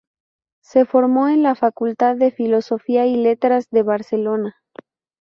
Se formó en la facultad de Filosofía y Letras de Barcelona.